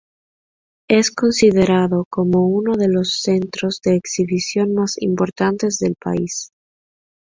Es considerado como uno de los centros de exhibición más importantes del país.